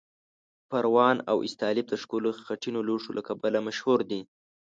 پروان او استالف د ښکلو خټینو لوښو له کبله مشهور دي.